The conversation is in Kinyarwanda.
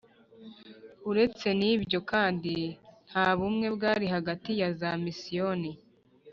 Uretse n ibyo kandi nta bumwe bwari hagati ya za misiyoni